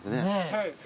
はい。